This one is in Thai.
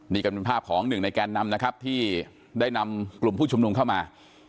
นี่ก็เป็นภาพของหนึ่งในแกนนำนะครับที่ได้นำกลุ่มผู้ชุมนุมเข้ามา